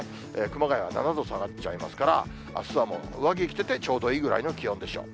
熊谷は７度下がっちゃいますから、あすは上着着ててちょうどいいぐらいの気温でしょう。